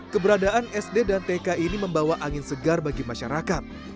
keberadaan sd dan tk ini membawa angin segar bagi masyarakat